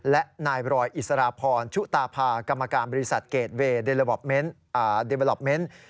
และนายบรอยอิสรพรชุตาพากรรมการบริษัทเกรดเวย์เดเบอร์ลอปเมนต์